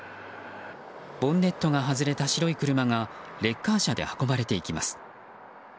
ボンネットが外れた白い車がレッカー車で運ばれていきます。